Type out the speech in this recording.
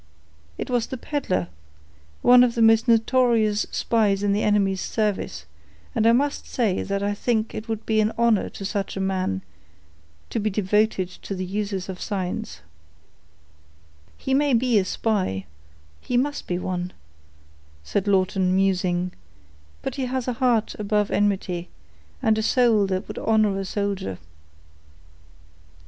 "It was the peddler—one of the most notorious spies in the enemy's service; and I must say that I think it would be an honor to such a man to be devoted to the uses of science." "He may be a spy—he must be one," said Lawton, musing; "but he has a heart above enmity, and a soul that would honor a soldier."